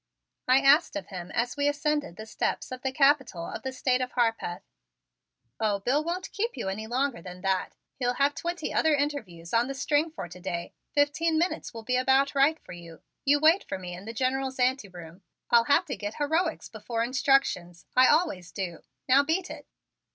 I asked of him as we ascended the steps of the Capitol of the State of Harpeth. "Oh, Bill won't keep you any longer than that. He'll have twenty other interviews on the string for to day. Fifteen minutes will be about right for you; you wait for me in the General's anteroom. I'll have to get heroics before instructions. I always do. Now beat it."